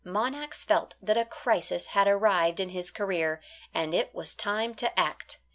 Monax felt that a crisis had arrived in his career, and it was time to act.